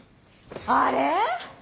あれ？